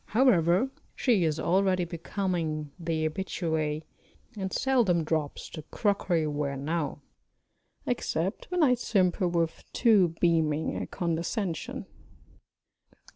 However, she is already becoming the habituée, and seldom drops the crockery ware now except when I simper with too beaming a condescension.